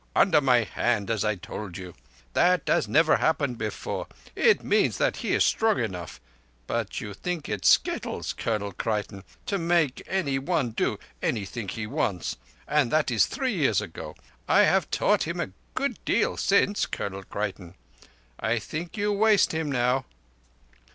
Under my hand, as I told you. That has never happened before. It means that he is strong enough—but you think it skittles, Colonel Creighton—to make anyone do anything he wants. And that is three years ago. I have taught him a good deal since, Colonel Creighton. I think you waste him now."